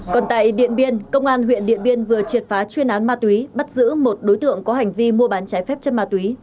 còn tại điện biên công an huyện điện biên vừa triệt phá chuyên án ma túy bắt giữ một đối tượng có hành vi mua bán trái phép chất ma túy